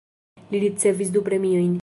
Li ricevis du premiojn.